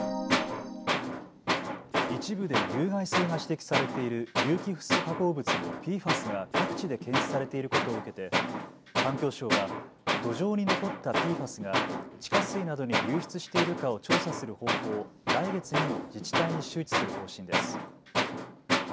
一部で有害性が指摘されている有機フッ素化合物のＰＦＡＳが各地で検出されていることを受けて環境省は土壌に残ったＰＦＡＳが地下水などに流出しているかを調査する方法を来月にも自治体に周知する方針です。